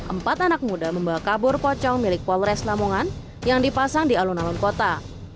empat anak muda membawa kabur pocong milik polres lamongan yang dipasang di alun alun kota